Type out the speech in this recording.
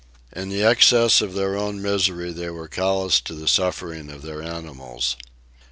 In the excess of their own misery they were callous to the suffering of their animals.